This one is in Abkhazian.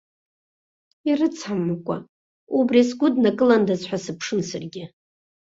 Ирыцҳамкәа, убри сгәыднакыландаз ҳәа сыԥшын саргьы.